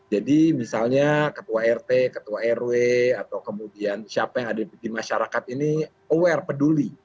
jadi misalnya ketua rt ketua rw atau kemudian siapa yang ada di masyarakat ini aware peduli